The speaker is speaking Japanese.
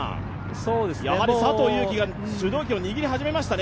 やはり佐藤悠基が主導権を握り始めましたね。